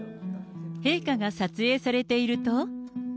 陛下が撮影されていると。